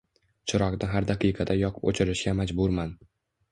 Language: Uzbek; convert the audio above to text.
Chiroqni har daqiqada yoqib-o‘chirishga majburman.